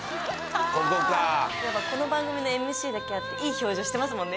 やっぱこの番組のＭＣだけあっていい表情してますもんね